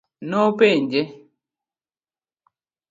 Nopenje.